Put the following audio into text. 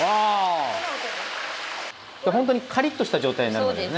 ほんとにカリッとした状態になるんですよね。